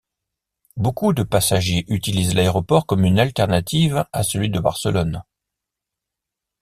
Beaucoup de passagers utilisent l'aéroport comme une alternative à celui de Barcelone.